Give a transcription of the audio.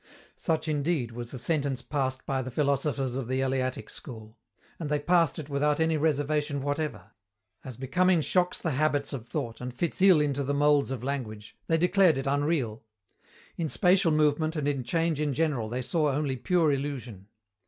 Such, indeed, was the sentence passed by the philosophers of the Eleatic school. And they passed it without any reservation whatever. As becoming shocks the habits of thought and fits ill into the molds of language, they declared it unreal. In spatial movement and in change in general they saw only pure illusion.